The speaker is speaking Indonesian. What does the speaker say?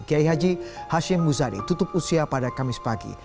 kiai haji hashim muzadi tutup usia pada kamis pagi